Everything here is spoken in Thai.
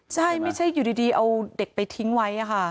ใช่ไม่ใช่อยู่ดีเอาเด็กไปทิ้งไว้ค่ะ